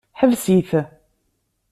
Ḥbes-it!